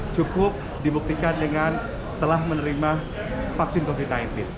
cukup dibuktikan dengan telah menerima vaksin covid sembilan belas